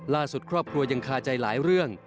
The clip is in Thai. ครอบครัวยังคาใจหลายเรื่อง